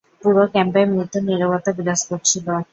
পুরো ক্যাম্পে মৃত্যুর নীরবতা বিরাজ করছিল।